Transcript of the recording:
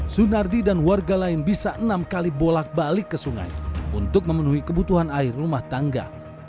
sunardi dan warga lain bisa enam kali bolak balik ke sungai untuk memenuhi kebutuhan air rumah tangga